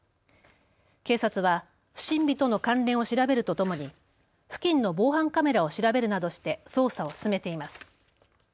警察は不審火との関連を調べるとともに付近の防犯カメラを調べるなどして捜査を進めています。